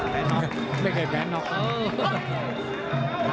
แพ้น็อต